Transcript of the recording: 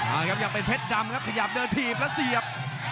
เอาละครับยังเป็นเพชรดำครับขยับเดินถีบแล้วเสียบ